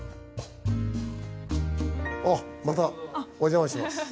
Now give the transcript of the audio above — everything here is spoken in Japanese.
あっまたお邪魔します。